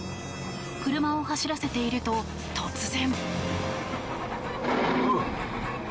車を走らせていると、突然。